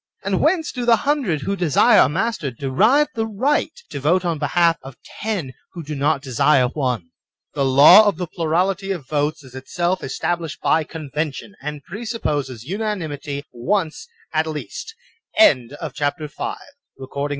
And whence do the hundred who desire a master derive the right to vote on behalf of ten who do not desire one ? The law of the plurality of votes is itself established by convention, and presupposes unanimity once at least (xa) CHAPTER VL The Social Pact.